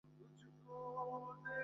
মুহাজির তো দূরত্ব অতিক্রমে ঘোড়ার ন্যায়।